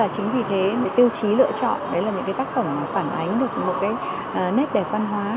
chính vì thế tiêu chí lựa chọn là những tác phẩm phản ánh được nét đẹp văn hóa